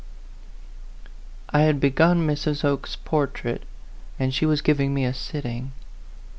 I HAD begun Mrs. Oke's portrait, and she was giving me a sitting.